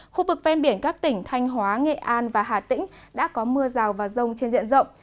khu vực ven biển các tỉnh thanh hóa nghệ an và hà tĩnh đã có mưa rào và rông trên diện rộng